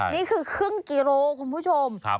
นี่คือครึ่งกิโลคุณผู้ชม